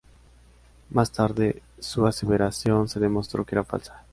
Más tarde, su aseveración se demostró que era falsa.